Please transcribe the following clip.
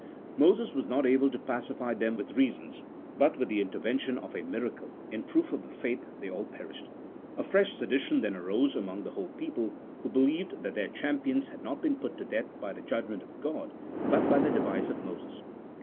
Moses was not able to pacify them with reasons ; but by the intervention of a miracle, in proof of the faith, they all perished. A fresh sedition then arose among the whole people, who believed that their champions had not been put to death by the judgment of God, but by the device of Moses.